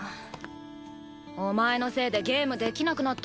お前のせいでゲームできなくなったじゃないか。